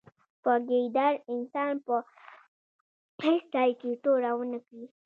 په ګیدړ انسان به په هېڅ ځای کې توره و نه کړې.